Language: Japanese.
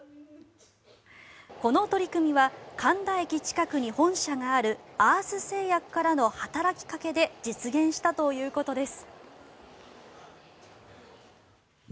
この取り組みは神田駅近くに本社があるアース製薬からの働きかけで実現したということです。